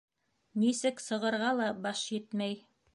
Нисек сығырға ла баш етмәй.